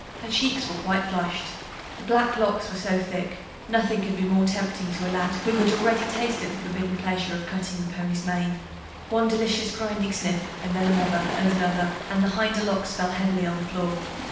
Her cheeks were quite flushed. The black locks were so thick, nothing could be more tempting to a lad who had already tasted the forbidden pleasure of cutting the pony's mane. One delicious grinding snip, and then another and another, and the hinder locks fell heavily on the floor.